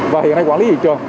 và hiện nay quản lý thị trường